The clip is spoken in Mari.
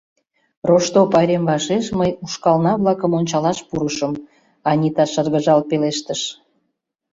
— Рошто пайрем вашеш мый ушкална-влакым ончалаш пурышым, — Анита шыргыжал пелештыш.